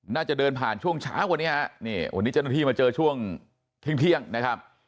เดินผ่านช่วงเช้ากว่านี้ฮะนี่วันนี้เจ้าหน้าที่มาเจอช่วงเที่ยงนะครับ